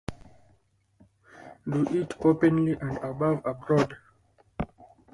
Do it openly and above board.